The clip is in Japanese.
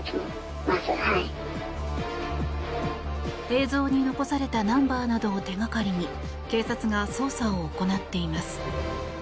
映像に残されたナンバーなどを手がかりに警察が捜査を行っています。